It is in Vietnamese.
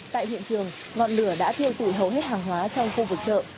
tại hiện trường ngọn lửa đã thiêu dụi hầu hết hàng hóa trong khu vực chợ